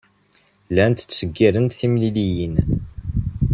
Llant ttseggirent timliliyin.